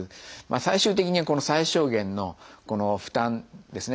最終的には最小限の負担ですね。